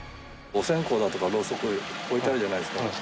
お線香だとかろうそく置いてあるじゃないですか。